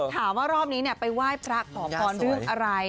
รอบนี้ไปไหว้พระขอพรเรื่องอะไร